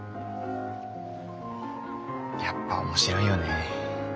やっぱ面白いよね。